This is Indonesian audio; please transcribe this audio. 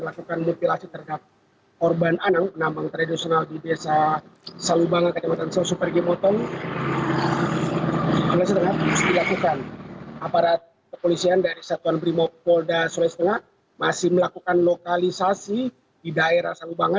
aparat kepolisian dari satuan brimobolda sulawesi tengah masih melakukan lokalisasi di daerah salubanga